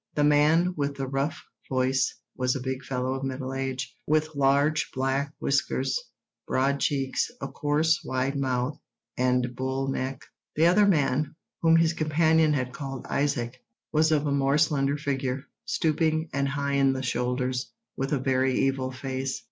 The man with the rough voice was a big fellow of middle age, with large black whiskers, broad cheeks, a coarse, wide mouth, and bull neck. The other man, whom his companion had called Isaac, was of a more slender figure—stooping, and high in the shoulders—with a very evil face.